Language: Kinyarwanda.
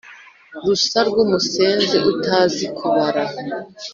rusa rw’umusenzi utazi kubara